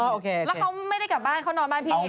แล้วเขาไม่ได้กลับบ้านเขานอนบ้านพี่